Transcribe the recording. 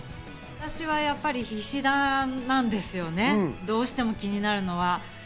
私はやっぱり菱田なんですよね、どうしても気になるのは。